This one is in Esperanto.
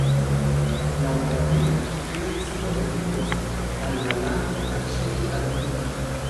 Laŭ Kabila, tiu decido ebligos al la lando aĉeti armilojn.